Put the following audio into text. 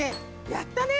やったね！